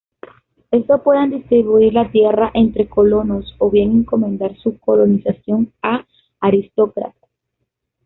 Estos pueden distribuir la tierra entre colonos o bien encomendar su colonización a aristócratas.